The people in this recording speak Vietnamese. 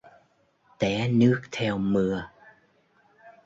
Té nước theo mưa.